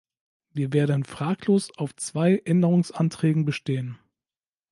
Wir werden fraglos auf zwei Änderungsanträgen bestehen.